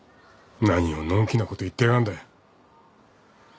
何をのんきなこと言ってやがんだよ。